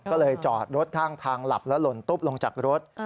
ก็เลยจอดรถข้างทางหลับแล้วหล่นตุ๊บลงจากรถ